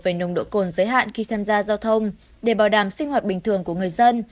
về nồng độ cồn giới hạn khi tham gia giao thông để bảo đảm sinh hoạt bình thường của người dân